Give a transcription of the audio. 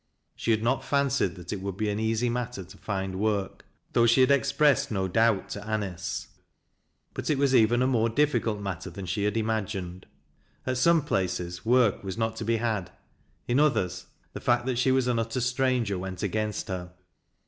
She had not fancied that it would be an easy matter to find work, though she had expressed no doubt to A nice, but it was even a more difficult matter than she had imagined. At some places work was not to be had, in others the fact that she was an utter stranger went against her.